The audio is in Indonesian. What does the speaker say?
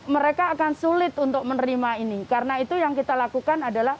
mereka akan sulit untuk menerima ini karena itu yang kita lakukan adalah